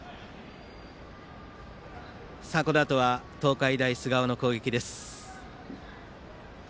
このあとは東海大菅生の攻撃です。